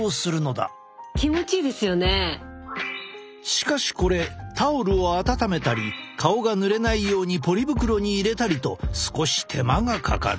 しかしこれタオルを温めたり顔がぬれないようにポリ袋に入れたりと少し手間がかかる。